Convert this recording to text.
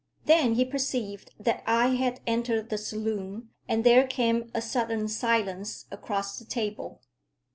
Then he perceived that I had entered the saloon, and there came a sudden silence across the table.